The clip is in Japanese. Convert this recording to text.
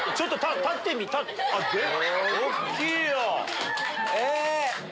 大っきいよ！